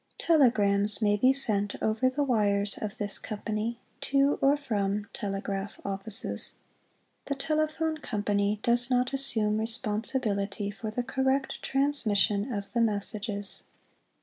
Telegrams May be Sent over the wires of this Company, to or from Telegraph offices. The Telephone Company does not assume responsibility for the correct transmission of the messages.